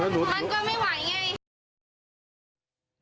มันก็ไม่ไหวไง